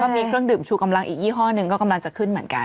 มีเครื่องดื่มชูกำลังอีกยี่ห้อหนึ่งก็กำลังจะขึ้นเหมือนกัน